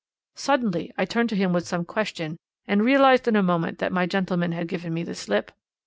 "'Suddenly I turned to him with some question, and realized in a moment that my gentleman had given me the slip.